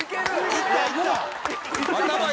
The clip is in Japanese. いったいった！